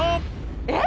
えっ？